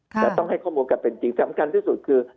แต่ต้องให้ข้อมูลกันเป็นจริงสำคัญที่สุดคือ